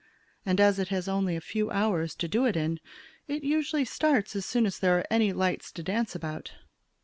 And as it has only a few hours to do it in, it usually starts as soon as there are any lights to dance about.